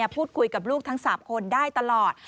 พูดคุยกับลูกทั้ง๓คนได้ตลอด